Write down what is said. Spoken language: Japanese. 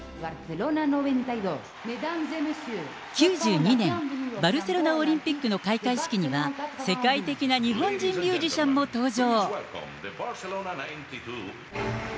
９２年、バルセロナオリンピックの開会式には、世界的な日本人ミュージシャンも登場。